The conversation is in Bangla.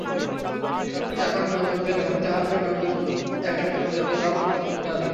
এখন নতুন করে ভাবতে হবে, নতুন একটা ব্যক্তিগত লক্ষ্য ঠিক করতে হবে।